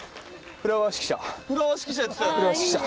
フラワー指揮者。